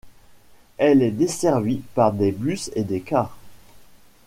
Elle est desservie par des bus et des cars.